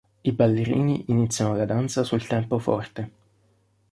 I ballerini iniziano la danza sul tempo forte.